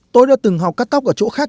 tôi đã từng học cắt tóc ở chỗ khác